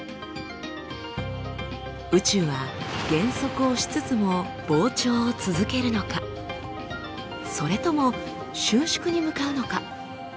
宇宙は減速をしつつも膨張を続けるのかそれとも収縮に向かうのか。